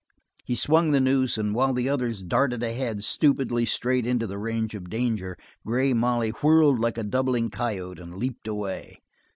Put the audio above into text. He swung the noose, and while the others darted ahead, stupidly straight into the range of danger, Grey Molly whirled like a doubling coyote and leaped away.